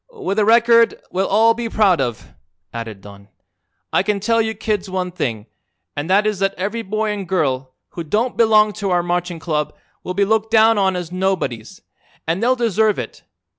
"With a record we'll all be proud of," added Don. "I can tell you kids one thing, and that is that every boy an' girl who don't belong to our marching club will be looked down on as nobodies, an' they'll deserve it.